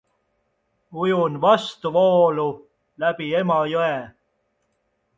The company went bankrupt during the Great Depression.